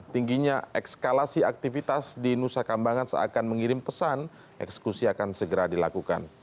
tingginya ekskalasi aktivitas di nusa kambangan seakan mengirim pesan eksekusi akan segera dilakukan